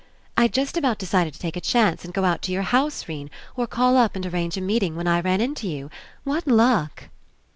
I'd just about decided to take a chance and go out to your house, 'Rene, or call up and arrange a meet ing, when I ran Into you. What luck!"